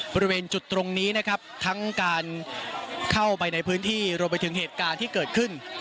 บริเวณจุดตรงนี้นะครับทั้งการเข้าไปในพื้นที่รวมไปถึงเหตุการณ์ที่เกิดขึ้น